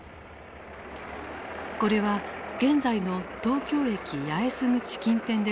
これは現在の東京駅八重洲口近辺で撮られた映像。